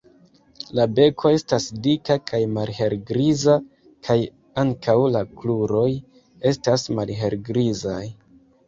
La beko estas dika kaj malhelgriza kaj ankaŭ la kruroj estas malhelgrizaj.